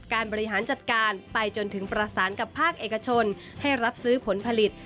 บริหารจัดการไปจนถึงประสานกับภาคเอกชนให้รับซื้อผลผลิต